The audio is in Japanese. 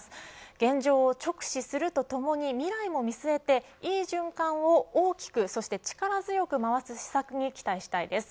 現状を直視するとともに未来も見据えていい循環を大きく、そして力強く回す施策に期待したいです。